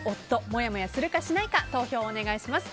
もやもやするかしないか投票をお願いします。